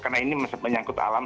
karena ini masih menyangkut alam